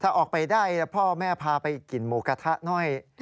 ถ้าออกไปได้พ่อแม่พาไปกินหมูกระทะหน่อย